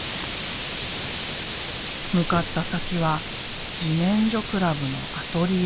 向かった先は自然生クラブのアトリエ。